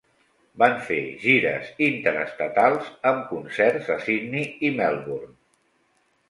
Van fer gires interestatals amb concerts a Sydney i Melbourne.